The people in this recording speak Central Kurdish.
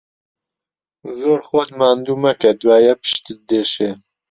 زۆر خۆت ماندوو مەکە، دوایێ پشتت دێشێ.